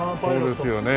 そうですよね。